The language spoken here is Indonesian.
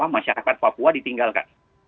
masyarakat papua ditinggalkan